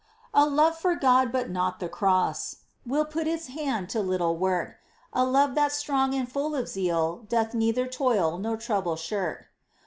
A love for God but not the cross. Will put its hand to little work : A love that's strong and full of zeal Doth neither toil nor trouble shirk.